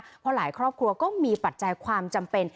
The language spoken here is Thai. เพราะหลายครอบครัวก็มีปัจจัยความจำเป็น